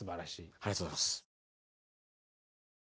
ありがとうございます。